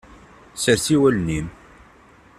Sers i wallen-im.